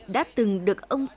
đã từng được ông thu hút